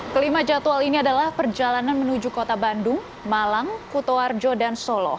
kelima jadwal ini adalah perjalanan menuju kota bandung malang kutoarjo dan solo